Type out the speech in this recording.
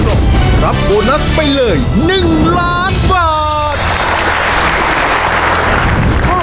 ครอบครัวของแม่ปุ้ยจังหวัดสะแก้วนะครับ